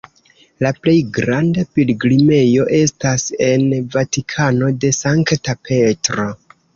La plej granda pilgrimejo estas en Vatikano de Sankta Petro.